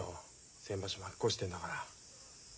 先場所負け越してんだから。